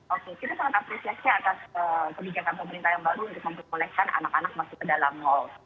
oke kita sangat apresiasi atas kebijakan pemerintah yang baru untuk memperbolehkan anak anak masuk ke dalam mall